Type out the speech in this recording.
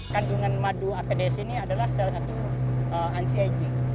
kandungan madu apedes ini adalah salah satu anti aging